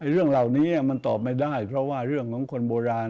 เรื่องเหล่านี้มันตอบไม่ได้เพราะว่าเรื่องของคนโบราณ